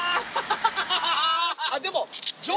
でも。